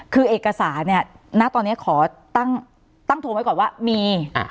คือเอกสารเนี่ยณตอนนี้ขอตั้งโทรไว้ก่อนว่ามี